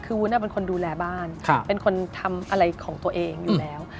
คือวุ้นเป็นคนดูแลบ้านเป็นคนทำอะไรของตัวเองอยู่แล้ว